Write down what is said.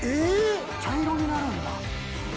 茶色になるんだ。